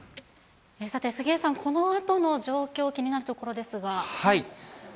さて、杉江さん、このあとの状況、気になるところですが。